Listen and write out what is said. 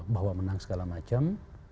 bahwa menang segala macam